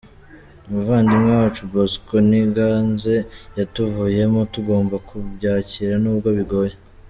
Umuvandimwe wacu Bosco Niganze yatuvuyemo, tugomba kubyakira nubwo bigoye.